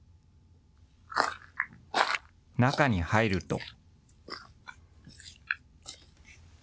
中に入ると。